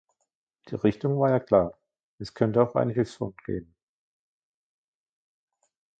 Die Richtung war ja klar, es könnte auch einen Hilfsfonds geben.